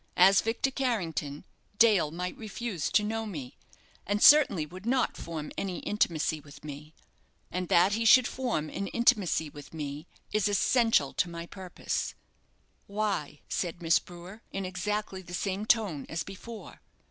As Victor Carrington, Dale might refuse to know me, and certainly would not form any intimacy with me, and that he should form an intimacy with me is essential to my purpose." "Why?" said Miss Brewer, in exactly the same tone as before.